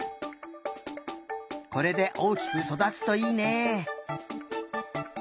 これで大きくそだつといいね。